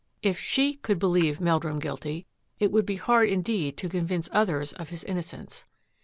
If she could beKeve Meldrum guilty, it would be hard indeed to convince others o£ his innocence.